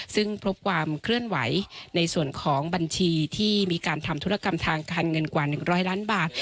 ซึ่งพบความเคลื่อนไหวในส่วนของบัญชีที่มีการทำธุรกรรมทางการเงินกว่า๑๐๐ล้านบาท